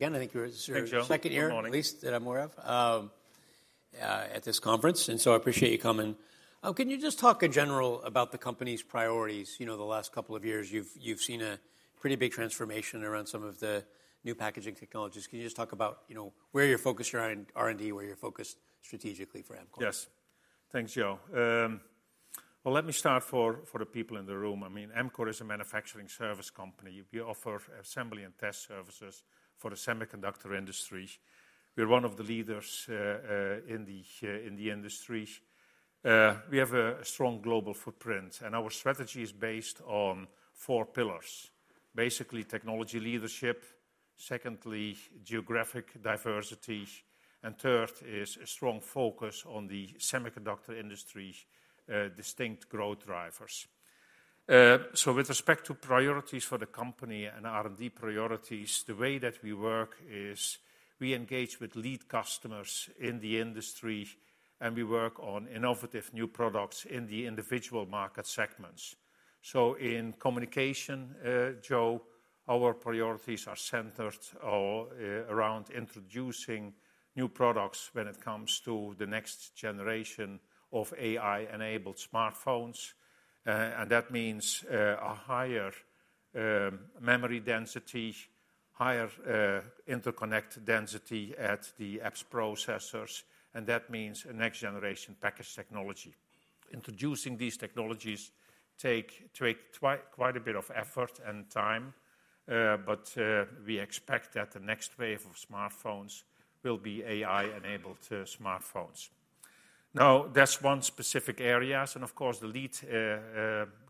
Again, I think you're the second year at least that I'm aware of at this conference, and so I appreciate you coming. Oh, can you just talk in general about the company's priorities? You know, the last couple of years you've seen a pretty big transformation around some of the new packaging technologies. Can you just talk about where you're focused around R&D, where you're focused strategically for Amkor? Yes. Thanks, Joe. Well, let me start for the people in the room. I mean, Amkor is a manufacturing service company. We offer assembly and test services for the semiconductor industry. We're one of the leaders in the industry. We have a strong global footprint, and our strategy is based on four pillars. Basically, technology leadership. Secondly, geographic diversity. And third is a strong focus on the semiconductor industry's distinct growth drivers. So with respect to priorities for the company and R&D priorities, the way that we work is we engage with lead customers in the industry, and we work on innovative new products in the individual market segments. So in communication, Joe, our priorities are centered around introducing new products when it comes to the next generation of AI-enabled smartphones. That means a higher memory density, higher interconnect density at the apps processors, and that means a next generation package technology. Introducing these technologies takes quite a bit of effort and time, but we expect that the next wave of smartphones will be AI-enabled smartphones. Now, that's one specific area, and of course, the lead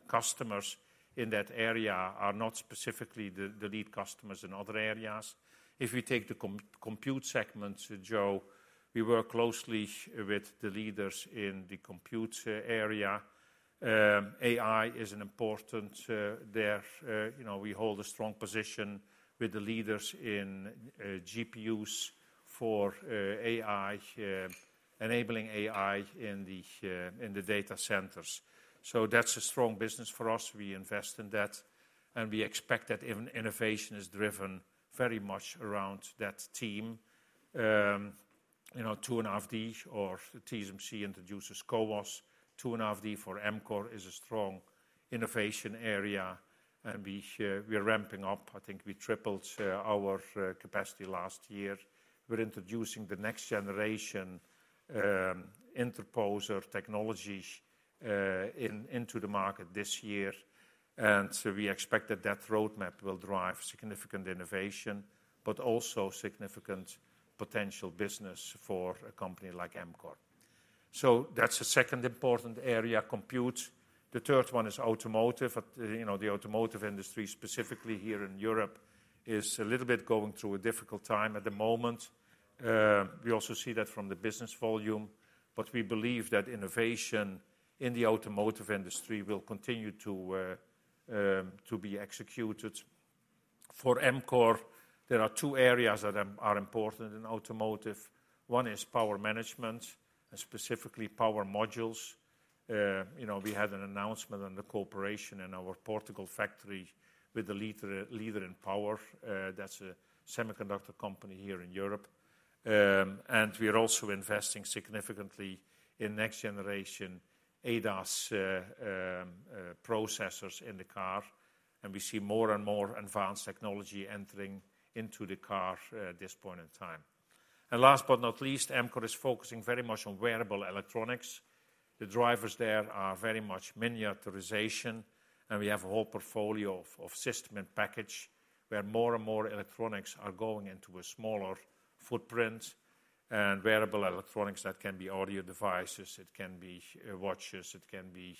customers in that area are not specifically the lead customers in other areas. If we take the compute segment, Joe, we work closely with the leaders in the compute area. AI is an important there. We hold a strong position with the leaders in GPUs for enabling AI in the data centers. So that's a strong business for us. We invest in that, and we expect that innovation is driven very much around that team. 2.5D or TSMC introduces CoWoS. 2.5D for Amkor is a strong innovation area, and we are ramping up. I think we tripled our capacity last year. We're introducing the next generation interposer technologies into the market this year, and we expect that that roadmap will drive significant innovation, but also significant potential business for a company like Amkor. That's the second important area: compute. The third one is automotive. The automotive industry, specifically here in Europe, is a little bit going through a difficult time at the moment. We also see that from the business volume, but we believe that innovation in the automotive industry will continue to be executed. For Amkor, there are two areas that are important in automotive. One is power management, and specifically power modules. We had an announcement on the collaboration in our Portugal factory with the leader in power. That's a semiconductor company here in Europe, and we are also investing significantly in next generation ADAS processors in the car, and we see more and more advanced technology entering into the car at this point in time, and last but not least, Amkor is focusing very much on wearable electronics. The drivers there are very much miniaturization, and we have a whole portfolio of System in Package where more and more electronics are going into a smaller footprint and wearable electronics that can be audio devices. It can be watches. It can be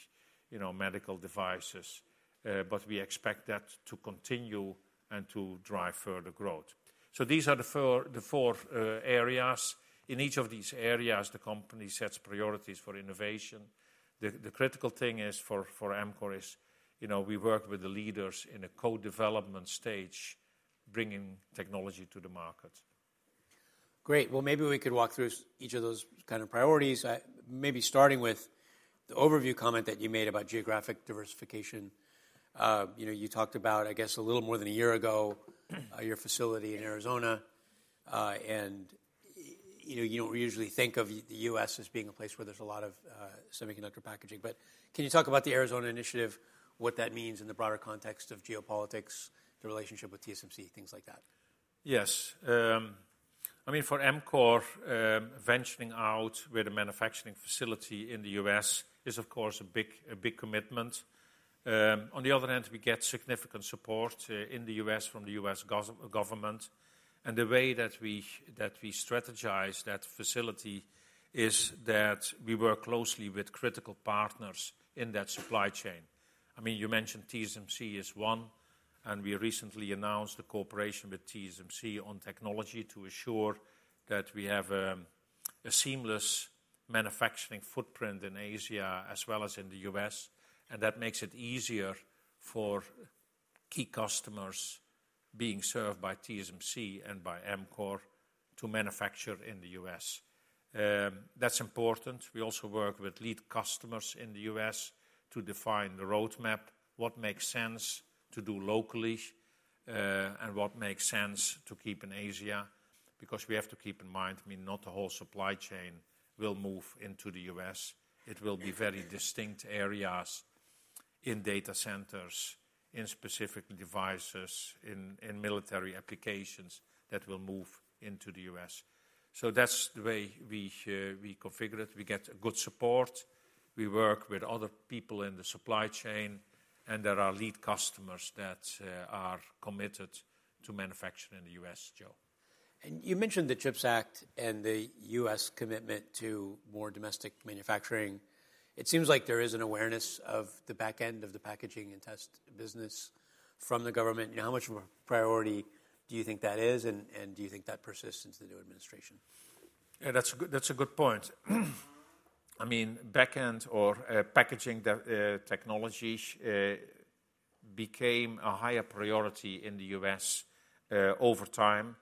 medical devices, but we expect that to continue and to drive further growth, so these are the four areas. In each of these areas, the company sets priorities for innovation. The critical thing for Amkor is we work with the leaders in a co-development stage, bringing technology to the market. Great. Well, maybe we could walk through each of those kind of priorities, maybe starting with the overview comment that you made about geographic diversification. You talked about, I guess, a little more than a year ago, your facility in Arizona, and you don't usually think of the U.S. as being a place where there's a lot of semiconductor packaging. But can you talk about the Arizona initiative, what that means in the broader context of geopolitics, the relationship with TSMC, things like that? Yes. I mean, for Amkor, venturing out with a manufacturing facility in the U.S. is, of course, a big commitment. On the other hand, we get significant support in the U.S. from the U.S. government, and the way that we strategize that facility is that we work closely with critical partners in that supply chain. I mean, you mentioned TSMC is one, and we recently announced a cooperation with TSMC on technology to ensure that we have a seamless manufacturing footprint in Asia as well as in the U.S., and that makes it easier for key customers being served by TSMC and by Amkor to manufacture in the U.S. That's important. We also work with lead customers in the U.S. to define the roadmap, what makes sense to do locally and what makes sense to keep in Asia, because we have to keep in mind, I mean, not the whole supply chain will move into the U.S. It will be very distinct areas in data centers, in specific devices, in military applications that will move into the U.S. So that's the way we configure it. We get good support. We work with other people in the supply chain, and there are lead customers that are committed to manufacturing in the U.S., Joe. And you mentioned the CHIPS Act and the U.S. commitment to more domestic manufacturing. It seems like there is an awareness of the back end of the packaging and test business from the government. How much of a priority do you think that is, and do you think that persists into the new administration? Yeah, that's a good point. I mean, back end or packaging technology became a higher priority in the U.S. over time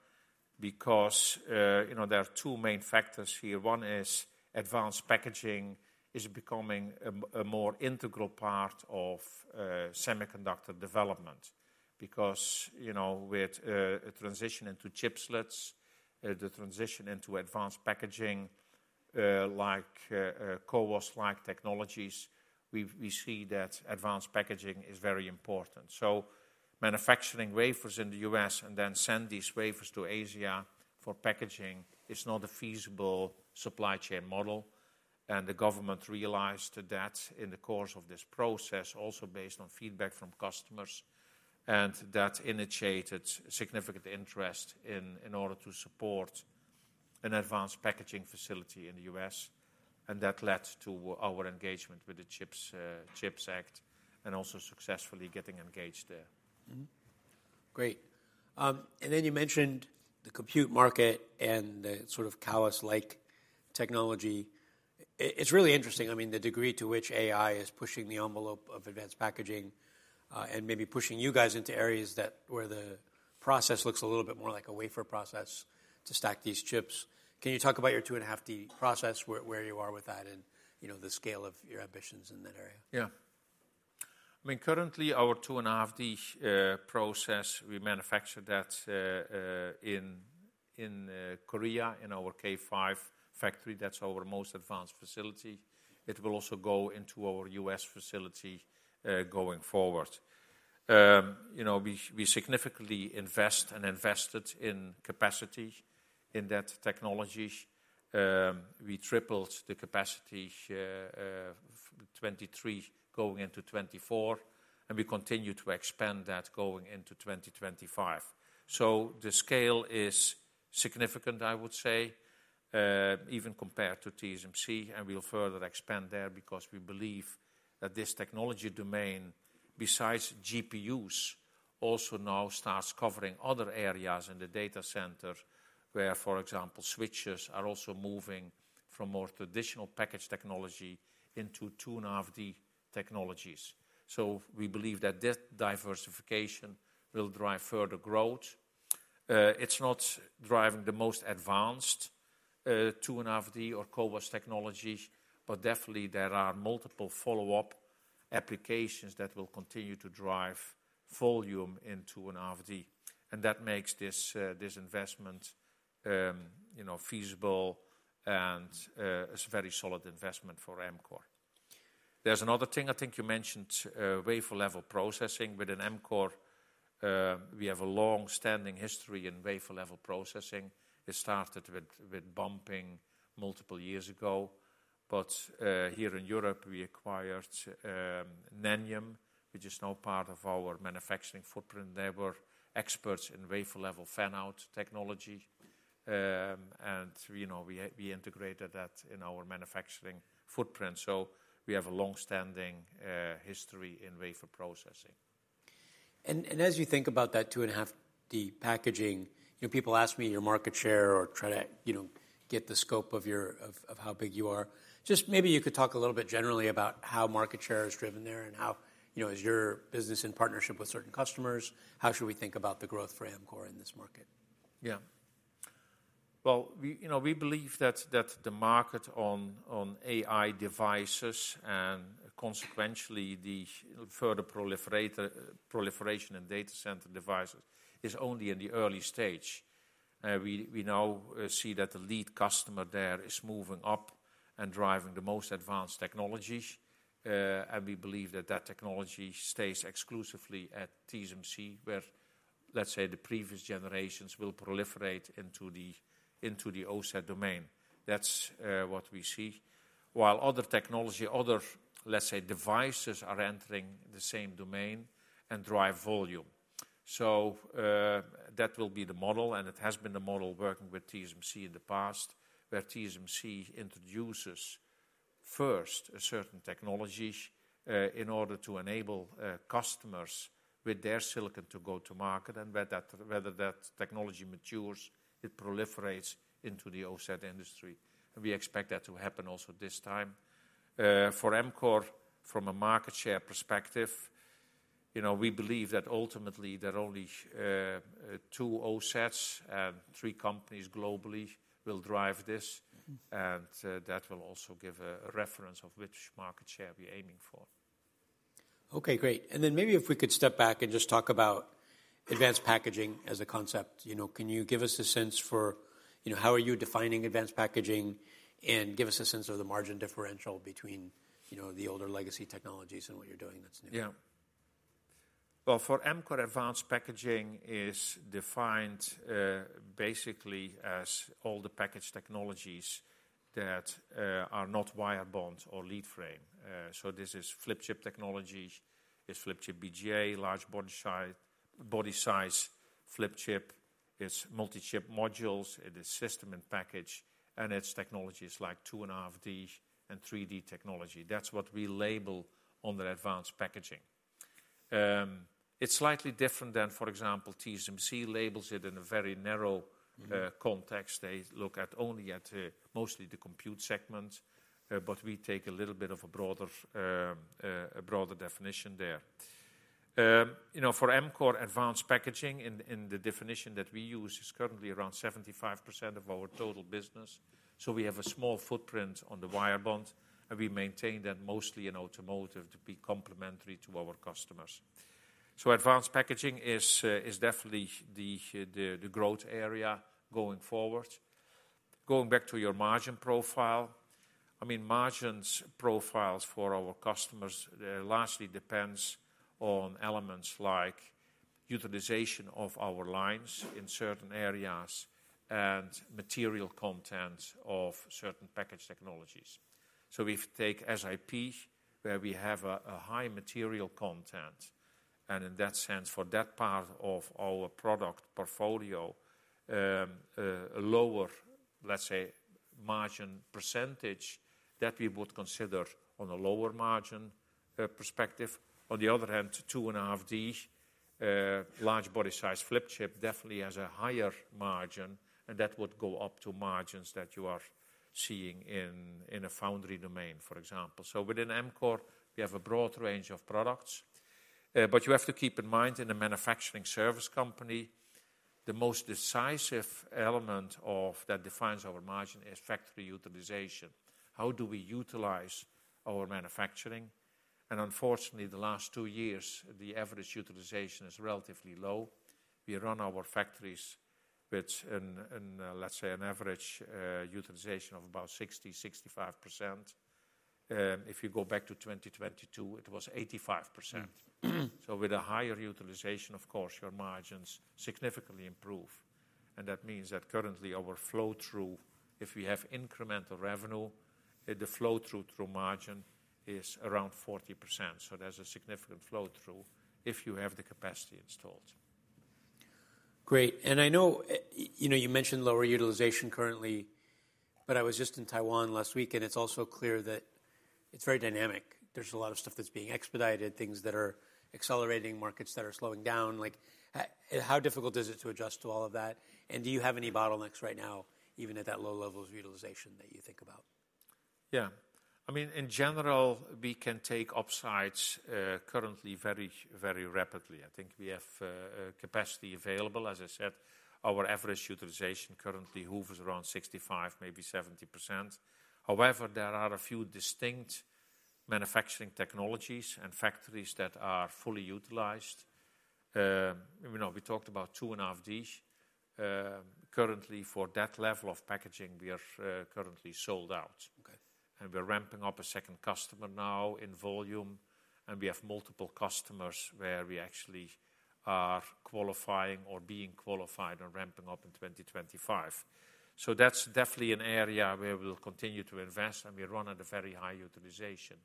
because there are two main factors here. One is advanced packaging is becoming a more integral part of semiconductor development because with a transition into chiplets, the transition into advanced packaging like CoWoS-like technologies, we see that advanced packaging is very important. So manufacturing wafers in the U.S. and then send these wafers to Asia for packaging is not a feasible supply chain model, and the government realized that in the course of this process, also based on feedback from customers, and that initiated significant interest in order to support an advanced packaging facility in the U.S., and that led to our engagement with the CHIPS Act and also successfully getting engaged there. Great. And then you mentioned the compute market and the sort of CoWoS technology. It's really interesting, I mean, the degree to which AI is pushing the envelope of advanced packaging and maybe pushing you guys into areas where the process looks a little bit more like a wafer process to stack these chips. Can you talk about your 2.5D process, where you are with that and the scale of your ambitions in that area? Yeah. I mean, currently, our 2.5D process, we manufacture that in Korea in our K5 factory. That's our most advanced facility. It will also go into our US facility going forward. We significantly invest and invested in capacity in that technology. We tripled the capacity, 2023 going into 2024, and we continue to expand that going into 2025. So the scale is significant, I would say, even compared to TSMC, and we'll further expand there because we believe that this technology domain, besides GPUs, also now starts covering other areas in the data center where, for example, switches are also moving from more traditional package technology into 2.5D technologies. So we believe that this diversification will drive further growth. It's not driving the most advanced 2.5D or CoWoS technologies, but definitely there are multiple follow-up applications that will continue to drive volume into 2.5D, and that makes this investment feasible and a very solid investment for Amkor. There's another thing I think you mentioned: wafer-level processing. Within Amkor, we have a long-standing history in wafer-level processing. It started with bumping multiple years ago, but here in Europe, we acquired Nanium, which is now part of our manufacturing footprint. They were experts in wafer-level fan-out technology, and we integrated that in our manufacturing footprint. So we have a long-standing history in wafer processing. As you think about that 2.5D packaging, people ask me your market share or try to get the scope of how big you are. Just maybe you could talk a little bit generally about how market share is driven there and how, as your business in partnership with certain customers, how should we think about the growth for Amkor in this market? Yeah. Well, we believe that the market on AI devices and consequently the further proliferation in data center devices is only in the early stage. We now see that the lead customer there is moving up and driving the most advanced technologies, and we believe that that technology stays exclusively at TSMC, where, let's say, the previous generations will proliferate into the OSAT domain. That's what we see. While other technology, other, let's say, devices are entering the same domain and drive volume. So that will be the model, and it has been the model working with TSMC in the past, where TSMC introduces first a certain technology in order to enable customers with their silicon to go to market, and whether that technology matures, it proliferates into the OSAT industry. We expect that to happen also this time. For Amkor, from a market share perspective, we believe that ultimately there are only two OSATs and three companies globally will drive this, and that will also give a reference of which market share we're aiming for. Okay, great. And then maybe if we could step back and just talk about advanced packaging as a concept, can you give us a sense for how are you defining advanced packaging and give us a sense of the margin differential between the older legacy technologies and what you're doing that's new? Yeah. Well, for Amkor, advanced packaging is defined basically as all the package technologies that are not wire bond or leadframe. So this is flip chip technologies. It's flip chip BGA, large body size flip chip. It is system and package, and its technology is like 2.5D and 3D technology. That's what we label under advanced packaging. It's slightly different than, for example, TSMC labels it in a very narrow context. They look at only at mostly the compute segment, but we take a little bit of a broader definition there. For Amkor, advanced packaging in the definition that we use is currently around 75% of our total business, so we have a small footprint on the wire bond, and we maintain that mostly in automotive to be complementary to our customers. So advanced packaging is definitely the growth area going forward. Going back to your margin profile, I mean, margins profiles for our customers largely depend on elements like utilization of our lines in certain areas and material content of certain package technologies. So we take SiP, where we have a high material content, and in that sense, for that part of our product portfolio, a lower, let's say, margin percentage that we would consider on a lower margin perspective. On the other hand, 2.5D, large body size flip chip definitely has a higher margin, and that would go up to margins that you are seeing in a foundry domain, for example. So within Amkor, we have a broad range of products, but you have to keep in mind in a manufacturing service company, the most decisive element that defines our margin is factory utilization. How do we utilize our manufacturing? Unfortunately, the last two years, the average utilization is relatively low. We run our factories with, let's say, an average utilization of about 60%-65%. If you go back to 2022, it was 85%. With a higher utilization, of course, your margins significantly improve, and that means that currently our flow-through, if we have incremental revenue, the flow-through margin is around 40%. There's a significant flow-through if you have the capacity installed. Great. And I know you mentioned lower utilization currently, but I was just in Taiwan last week, and it's also clear that it's very dynamic. There's a lot of stuff that's being expedited, things that are accelerating, markets that are slowing down. How difficult is it to adjust to all of that? And do you have any bottlenecks right now, even at that low level of utilization that you think about? Yeah. I mean, in general, we can take upsides currently very, very rapidly. I think we have capacity available. As I said, our average utilization currently hovers around 65%, maybe 70%. However, there are a few distinct manufacturing technologies and factories that are fully utilized. We talked about 2.5D. Currently, for that level of packaging, we are currently sold out, and we're ramping up a second customer now in volume, and we have multiple customers where we actually are qualifying or being qualified and ramping up in 2025. So that's definitely an area where we'll continue to invest, and we run at a very high utilization.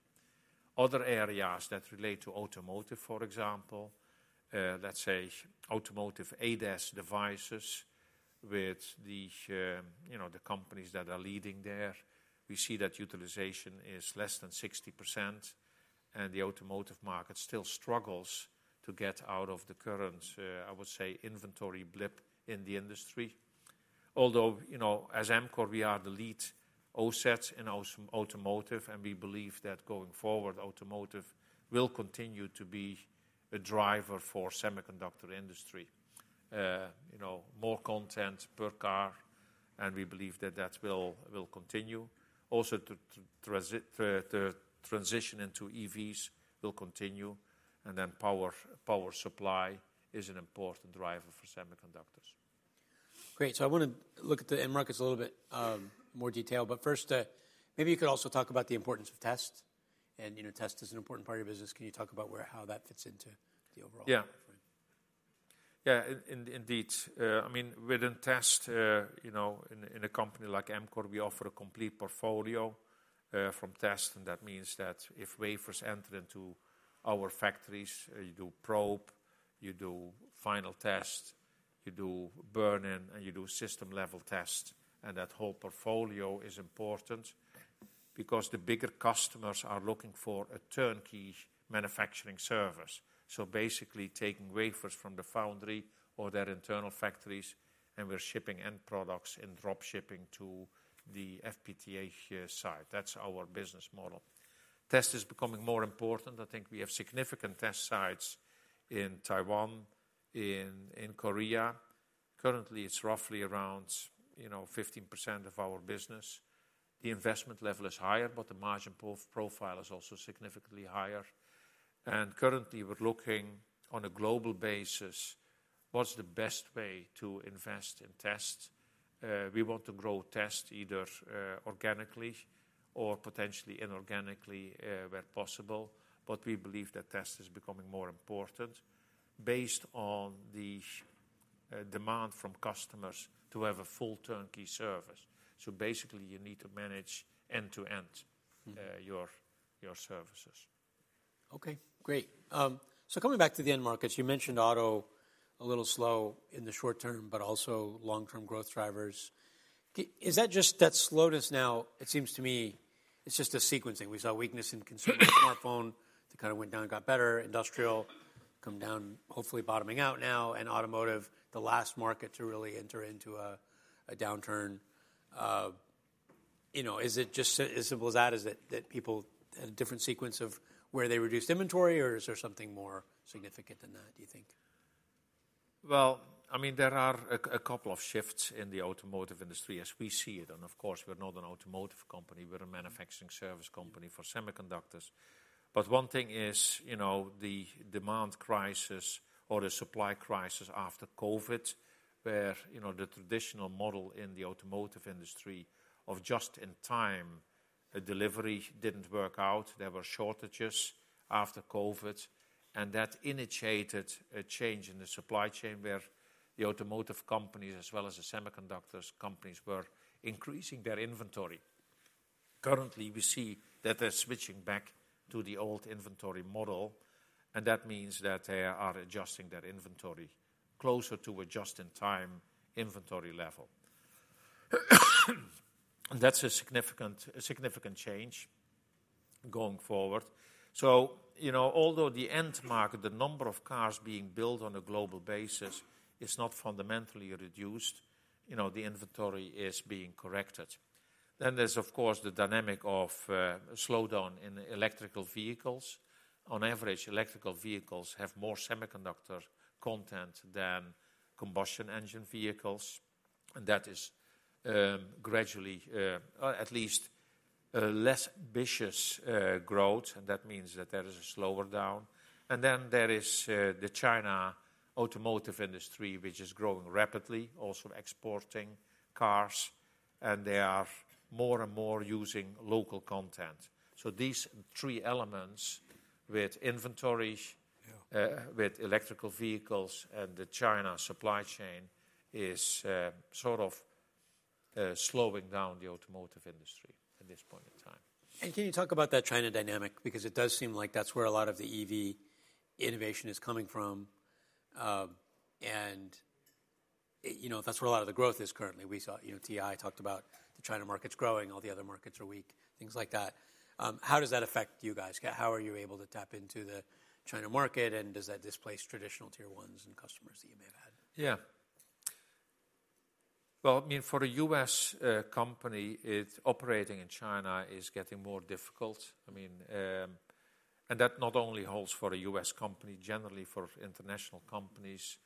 Other areas that relate to automotive, for example, let's say automotive ADAS devices with the companies that are leading there, we see that utilization is less than 60%, and the automotive market still struggles to get out of the current, I would say, inventory blip in the industry. Although, as Amkor, we are the lead OSATs in automotive, and we believe that going forward, automotive will continue to be a driver for the semiconductor industry. More content per car, and we believe that that will continue. Also, the transition into EVs will continue, and then power supply is an important driver for semiconductors. Great. So I want to look at the end markets a little bit more in detail, but first, maybe you could also talk about the importance of test. And test is an important part of your business. Can you talk about how that fits into the overall? Yeah. Yeah, indeed. I mean, within test, in a company like Amkor, we offer a complete portfolio from test, and that means that if wafers enter into our factories, you do probe, you do final test, you do burn-in, and you do system-level test, and that whole portfolio is important because the bigger customers are looking for a turnkey manufacturing service. So basically, taking wafers from the foundry or their internal factories, and we're shipping end products in drop shipping to the FPTA site. That's our business model. Test is becoming more important. I think we have significant test sites in Taiwan, in Korea. Currently, it's roughly around 15% of our business. The investment level is higher, but the margin profile is also significantly higher. And currently, we're looking on a global basis, what's the best way to invest in test? We want to grow test either organically or potentially inorganically where possible, but we believe that test is becoming more important based on the demand from customers to have a full turnkey service. So basically, you need to manage end-to-end your services. Okay, great. So coming back to the end markets, you mentioned auto a little slow in the short term, but also long-term growth drivers. Is that just that slowness now? It seems to me it's just a sequencing. We saw weakness in consumer smartphone. It kind of went down, got better. Industrial come down, hopefully bottoming out now. And automotive, the last market to really enter into a downturn. Is it just as simple as that? Is it that people had a different sequence of where they reduced inventory, or is there something more significant than that, do you think? I mean, there are a couple of shifts in the automotive industry as we see it. And of course, we're not an automotive company. We're a manufacturing service company for semiconductors. But one thing is the demand crisis or the supply crisis after COVID, where the traditional model in the automotive industry of just-in-time delivery didn't work out. There were shortages after COVID, and that initiated a change in the supply chain where the automotive companies, as well as the semiconductors companies, were increasing their inventory. Currently, we see that they're switching back to the old inventory model, and that means that they are adjusting their inventory closer to a just-in-time inventory level. That's a significant change going forward. So although the end market, the number of cars being built on a global basis is not fundamentally reduced, the inventory is being corrected. Then there's, of course, the dynamic of slowdown in electric vehicles. On average, electric vehicles have more semiconductor content than combustion engine vehicles, and that is gradually, at least, less vicious growth, and that means that there is a slowdown, and then there is the China automotive industry, which is growing rapidly, also exporting cars, and they are more and more using local content, so these three elements with inventory, with electric vehicles, and the China supply chain is sort of slowing down the automotive industry at this point in time. Can you talk about that China dynamic? Because it does seem like that's where a lot of the EV innovation is coming from, and that's where a lot of the growth is currently. We saw TI talked about the China market's growing, all the other markets are weak, things like that. How does that affect you guys? How are you able to tap into the China market, and does that displace traditional tier ones and customers that you may have had? Yeah. Well, I mean, for a U.S. company, operating in China is getting more difficult. I mean, and that not only holds for a U.S. company, generally for international companies.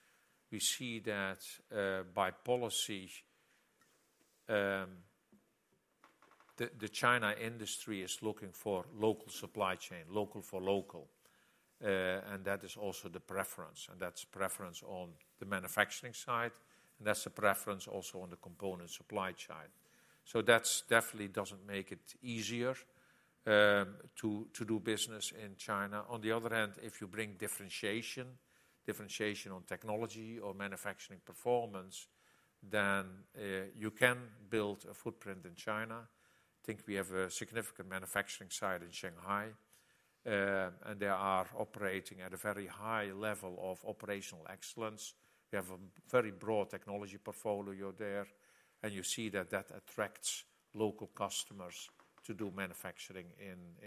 We see that by policy, the China industry is looking for local supply chain, local for local, and that is also the preference. And that's a preference on the manufacturing side, and that's a preference also on the component supply side. So that definitely doesn't make it easier to do business in China. On the other hand, if you bring differentiation, differentiation on technology or manufacturing performance, then you can build a footprint in China. I think we have a significant manufacturing site in Shanghai, and they are operating at a very high level of operational excellence. We have a very broad technology portfolio there, and you see that that attracts local customers to do manufacturing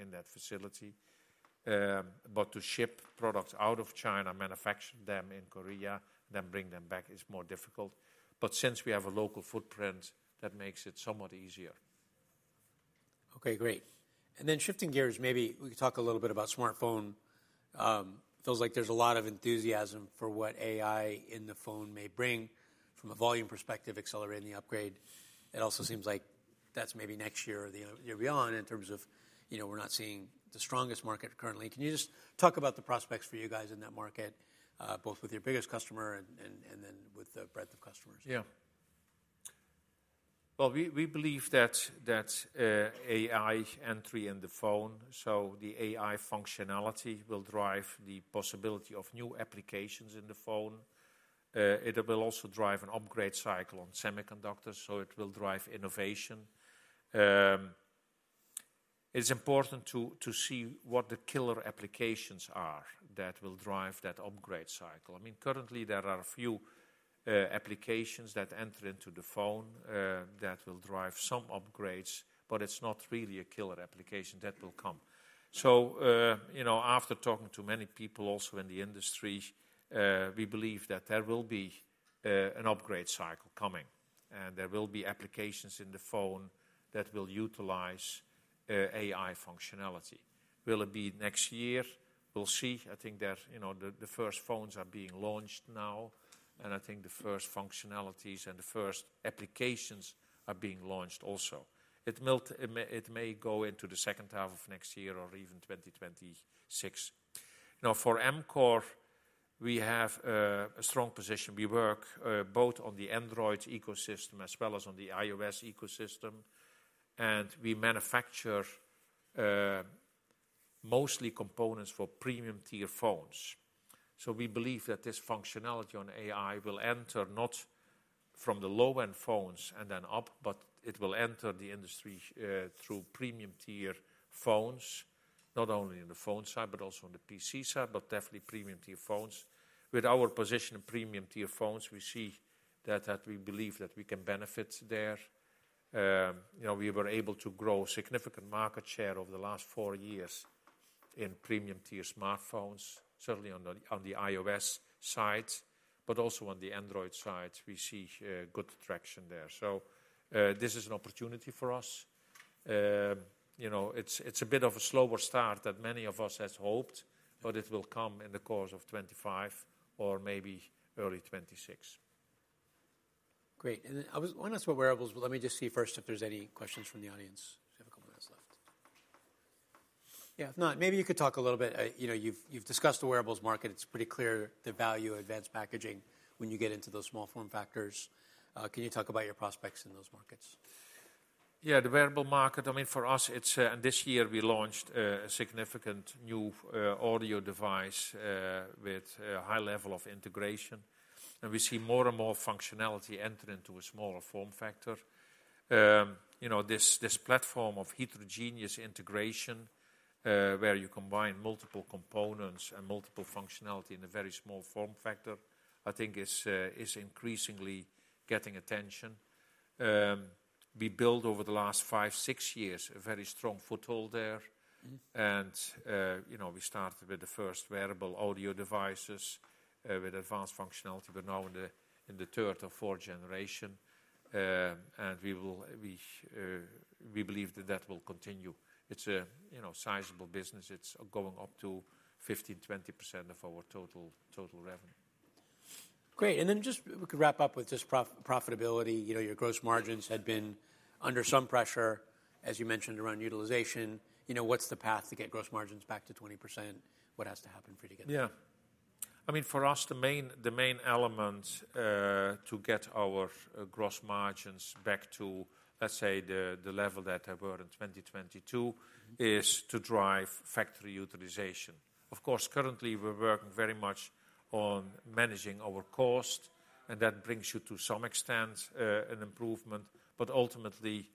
in that facility. But to ship products out of China, manufacture them in Korea, then bring them back is more difficult. But since we have a local footprint, that makes it somewhat easier. Okay, great. And then shifting gears, maybe we could talk a little bit about smartphone. It feels like there's a lot of enthusiasm for what AI in the phone may bring from a volume perspective, accelerating the upgrade. It also seems like that's maybe next year or the year beyond in terms of we're not seeing the strongest market currently. Can you just talk about the prospects for you guys in that market, both with your biggest customer and then with the breadth of customers? Yeah. Well, we believe that AI entry in the phone, so the AI functionality will drive the possibility of new applications in the phone. It will also drive an upgrade cycle on semiconductors, so it will drive innovation. It's important to see what the killer applications are that will drive that upgrade cycle. I mean, currently, there are a few applications that enter into the phone that will drive some upgrades, but it's not really a killer application that will come. So after talking to many people also in the industry, we believe that there will be an upgrade cycle coming, and there will be applications in the phone that will utilize AI functionality. Will it be next year? We'll see. I think the first phones are being launched now, and I think the first functionalities and the first applications are being launched also. It may go into the second half of next year or even 2026. Now, for Amkor, we have a strong position. We work both on the Android ecosystem as well as on the iOS ecosystem, and we manufacture mostly components for premium-tier phones. So we believe that this functionality on AI will enter not from the low-end phones and then up, but it will enter the industry through premium-tier phones, not only on the phone side, but also on the PC side, but definitely premium-tier phones. With our position in premium-tier phones, we see that we believe that we can benefit there. We were able to grow significant market share over the last four years in premium-tier smartphones, certainly on the iOS side, but also on the Android side. We see good traction there. So this is an opportunity for us. It's a bit of a slower start that many of us had hoped, but it will come in the course of 2025 or maybe early 2026. Great. And I was wondering about wearables. Let me just see first if there's any questions from the audience. We have a couple of minutes left. Yeah, if not, maybe you could talk a little bit. You've discussed the wearables market. It's pretty clear the value of advanced packaging when you get into those small-form factors. Can you talk about your prospects in those markets? Yeah, the wearable market, I mean, for us, it's this year we launched a significant new audio device with a high level of integration, and we see more and more functionality enter into a smaller form factor. This platform of heterogeneous integration, where you combine multiple components and multiple functionality in a very small form factor, I think is increasingly getting attention. We built over the last five, six years a very strong foothold there, and we started with the first wearable audio devices with advanced functionality. We're now in the third or fourth generation, and we believe that that will continue. It's a sizable business. It's going up to 15%-20% of our total revenue. Great, and then just we could wrap up with just profitability. Your gross margins had been under some pressure, as you mentioned, around utilization. What's the path to get gross margins back to 20%? What has to happen for you to get there? Yeah. I mean, for us, the main element to get our gross margins back to, let's say, the level that they were in 2022 is to drive factory utilization. Of course, currently, we're working very much on managing our cost, and that brings you to some extent an improvement. But ultimately,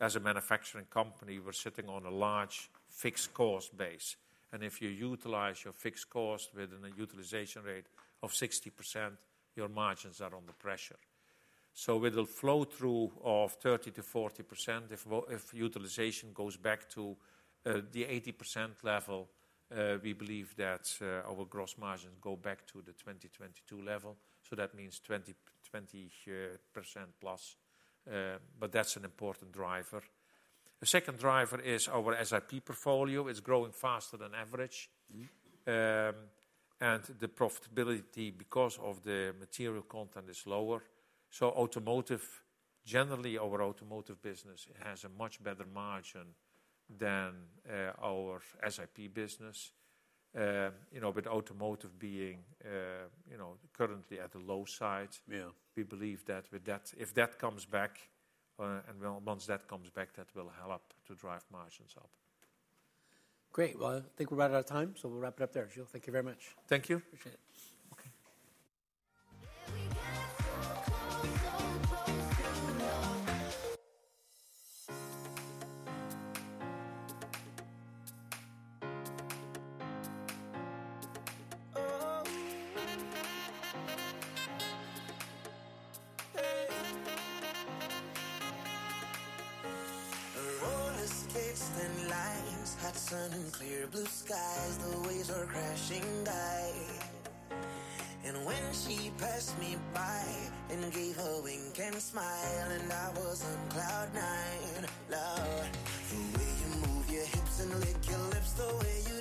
as a manufacturing company, we're sitting on a large fixed cost base. And if you utilize your fixed cost with an utilization rate of 60%, your margins are under pressure. So with a flow-through of 30%-40%, if utilization goes back to the 80% level, we believe that our gross margins go back to the 2022 level. So that means 20% plus, but that's an important driver. The second driver is our SiP portfolio. It's growing faster than average, and the profitability because of the material content is lower. Automotive, generally, our automotive business has a much better margin than our SiP business, with automotive being currently at the low side. We believe that if that comes back, and once that comes back, that will help to drive margins up. Great. Well, I think we're about out of time, so we'll wrap it up there. Joe, thank you very much. Thank you. Appreciate it. Okay. Her roller skates thin lines, hot sun and clear blue skies. The waves are crashing by. When she passed me by and gave a wink and smiled, I was on cloud nine. The way you move your hips and lick your lips, the way you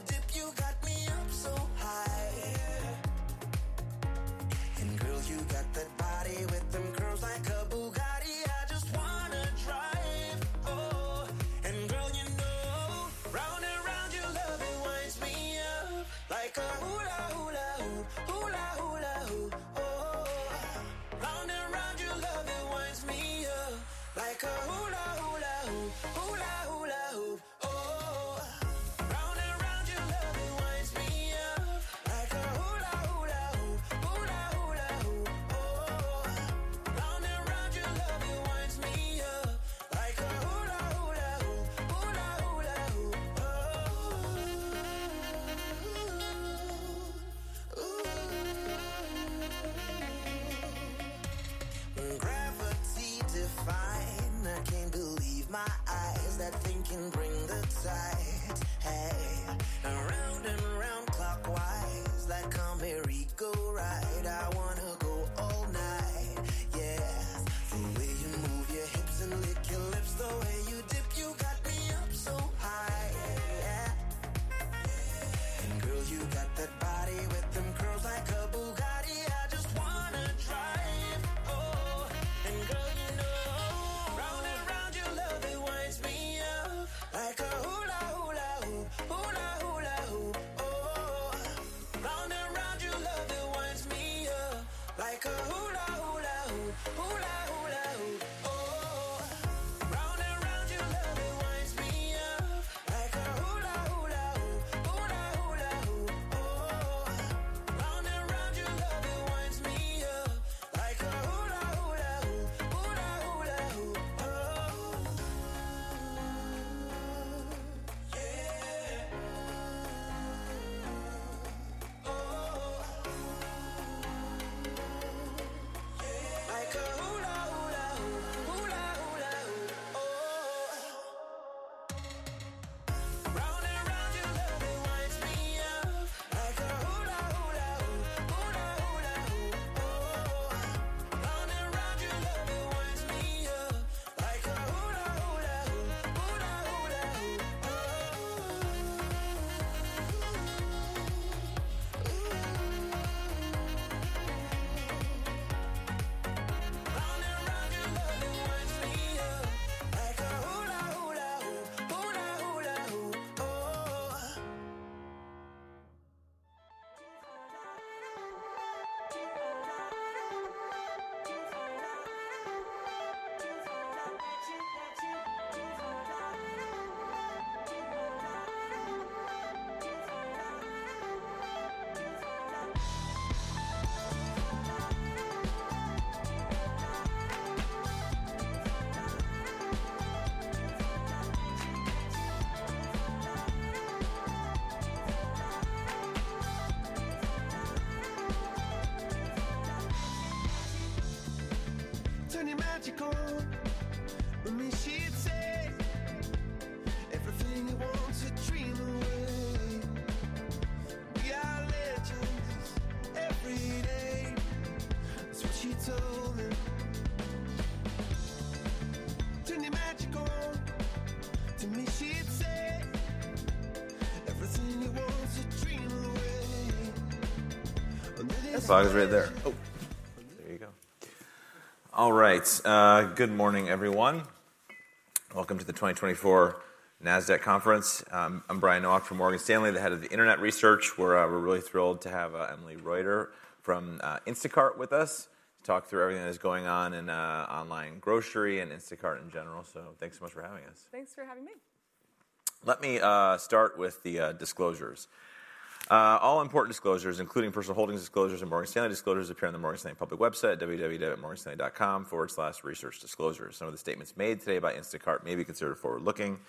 There you go. All right. Good morning, everyone. Welcome to the 2024 NASDAQ Conference. I'm Brian Nowak from Morgan Stanley, the head of Internet Research. We're really thrilled to have Emily Reuter from Instacart with us to talk through everything that is going on in online grocery and Instacart in general. So thanks so much for having us. Thanks for having me. Let me start with the disclosures. All important disclosures, including personal holdings disclosures and Morgan Stanley disclosures, appear on the Morgan Stanley public website, www.morganstanley.com/researchdisclosures. Some of the statements made today by Instacart may be considered forward-looking.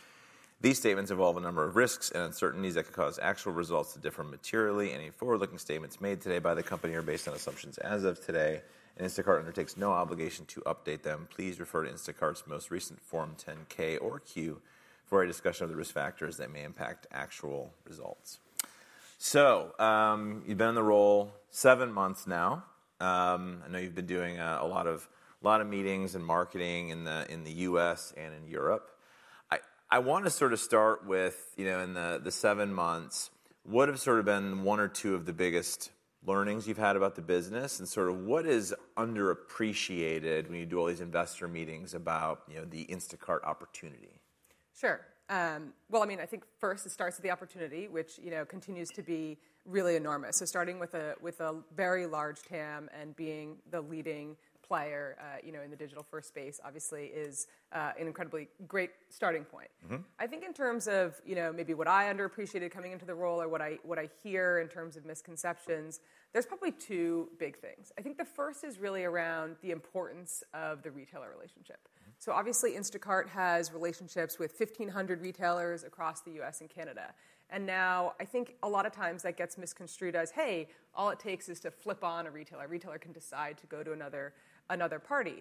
These statements involve a number of risks and uncertainties that could cause actual results to differ materially. Any forward-looking statements made today by the company are based on assumptions as of today, and Instacart undertakes no obligation to update them. Please refer to Instacart's most recent Form 10-K or 10-Q for a discussion of the risk factors that may impact actual results. You've been in the role seven months now. I know you've been doing a lot of meetings and marketing in the U.S. and in Europe. I want to sort of start with, in the seven months, what have sort of been one or two of the biggest learnings you've had about the business, and sort of what is underappreciated when you do all these investor meetings about the Instacart opportunity? Sure. Well, I mean, I think first it starts with the opportunity, which continues to be really enormous. So starting with a very large TAM and being the leading player in the digital-first space, obviously, is an incredibly great starting point. I think in terms of maybe what I underappreciated coming into the role or what I hear in terms of misconceptions, there's probably two big things. I think the first is really around the importance of the retailer relationship. So obviously, Instacart has relationships with 1,500 retailers across the U.S. and Canada. And now, I think a lot of times that gets misconstrued as, "Hey, all it takes is to flip on a retailer. A retailer can decide to go to another party.